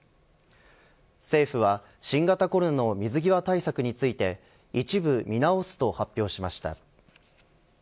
政府は新型コロナの水際対策について一部見直すと発表しました。